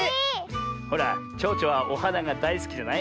ほらちょうちょはおはながだいすきじゃない？